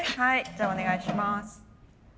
じゃあお願いします。